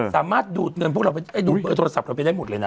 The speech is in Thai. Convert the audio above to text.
สามารถดูดเงินพวกเราดูดเบอร์โทรศัพท์เราไปได้หมดเลยนะ